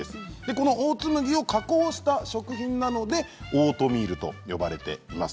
このオーツ麦を加工した食品なのでオートミールと呼ばれています。